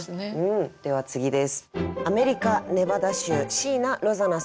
では次です。